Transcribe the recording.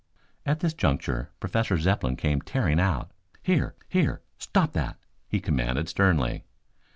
At this juncture Professor Zepplin came tearing out. "Here, here! Stop that!" he commanded sternly.